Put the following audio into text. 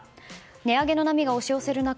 値上げの波が押し寄せる中